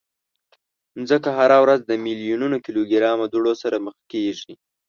مځکه هره ورځ د میلیونونو کیلوګرامه دوړو سره مخ کېږي.